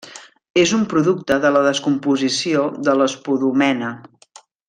És un producte de la descomposició de l'espodumena.